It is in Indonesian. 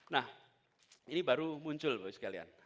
nah ini baru muncul bapak ibu sekalian